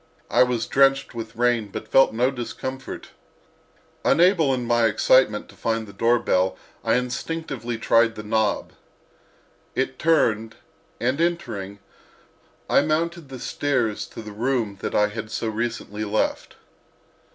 I was drenched with rain, but felt no discomfort. Unable in my excitement to find the doorbell I instinctively tried the knob. It turned and, entering, I mounted the stairs to the room that I had so recently left.